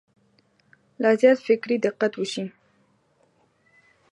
لا زیات فکري دقت وشي.